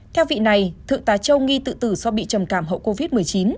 theo vị này thượng tá châu nghi tự tử do bị trầm cảm hậu covid một mươi chín